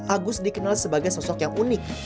agus dikenal sebagai sosok yang unik